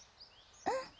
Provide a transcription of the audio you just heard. うん。